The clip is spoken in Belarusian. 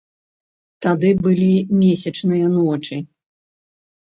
Тады былі месячныя ночы.